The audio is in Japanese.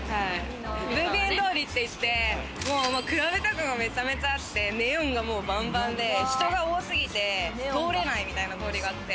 ブイビエン通りっていって、クラブとかめちゃくちゃあって、ネオンがバンバンで、人が多すぎて、通れないみたいな通りがあって。